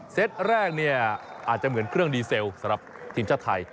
เต็ตแรกเนี่ยอาจจะเหมือนเครื่องดีเซลสำหรับทีมชาติไทย